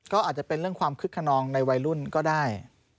ก็อาจจะเป็นเรื่องความคึกขนองในวัยรุ่นก็ได้